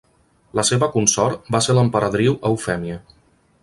La seva consort va ser l'emperadriu Eufèmia.